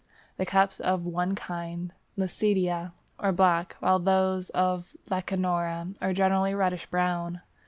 The cups of one kind (Lecidea) are black, whilst those of Lecanora are generally reddish brown.